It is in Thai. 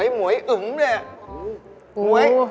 ใส่โมยอึ๋มด้วย